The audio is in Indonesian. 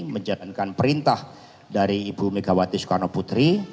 menjalankan perintah dari ibu megawati soekarno putri